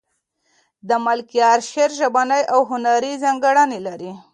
د ملکیار شعر ژبنۍ او هنري ځانګړنې لري.